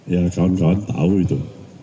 ya kawan kawan tahu itu